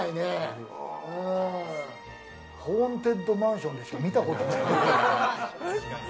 ホーンテッドマンションでしか見たことない。